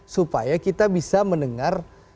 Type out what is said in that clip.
supaya kita bisa mendengar